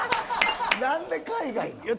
なんで海外なん？